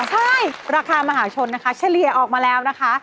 ใช่ราคามหาชนนะคะเฉลี่ยออกมาแล้วนะคะ